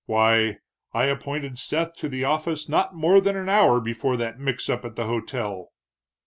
Why, I appointed Seth to the office not more than an hour before that mix up at the hotel."